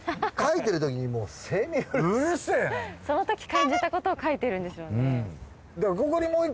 その時感じたことを書いてるんでしょうね。